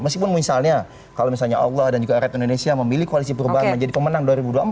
meskipun misalnya kalau misalnya allah dan juga rakyat indonesia memilih koalisi perubahan menjadi pemenang dua ribu dua puluh empat